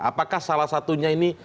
apakah salah satunya ini